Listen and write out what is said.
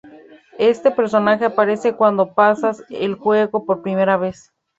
Este personaje aparece cuando pasas el juego por primera vez.